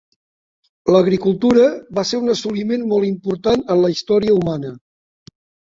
L'agricultura va ser un assoliment molt important en la història humana.